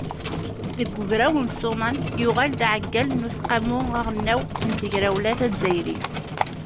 Deg ugraw n Ṣṣumam yuɣal d aɛeggal n Useqqamu Aɣelnaw n Tegrawla Tazzayrit.